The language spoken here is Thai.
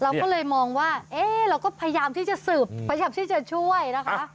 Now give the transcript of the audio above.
เราก็เลยมองว่าเอ๊ะเราก็พยายามที่จะสืบพยายามที่จะช่วยนะคะ